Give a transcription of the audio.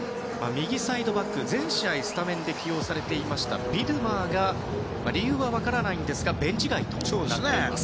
右サイドバック、全試合にスタメンで起用されていましたビドマーが理由は分かりませんがベンチ外となっています。